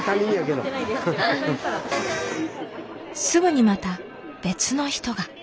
すぐにまた別の人が。